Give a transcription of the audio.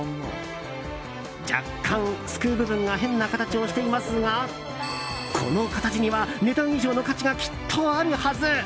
若干、すくう部分が変な形をしていますがこの形には、値段以上の価値がきっとあるはず！